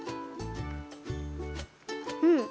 うん！